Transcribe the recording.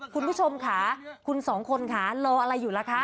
คุณผู้ชมค่ะคุณสองคนค่ะรออะไรอยู่ล่ะคะ